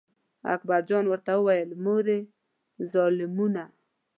اکبر جان ورته وویل: مورې ظالمانو.